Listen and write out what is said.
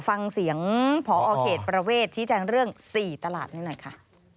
ฟังเสียงพอเขตประเวทชี้แจงเรื่อง๔ตลาดนี้หน่อยค่ะ